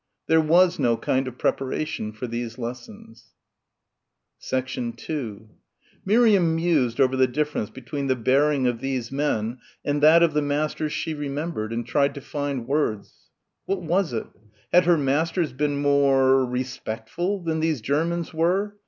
There was no kind of preparation for these lessons. 2 Miriam mused over the difference between the bearing of these men and that of the masters she remembered and tried to find words. What was it? Had her masters been more respectful than these Germans were?